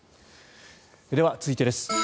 では、続いてです。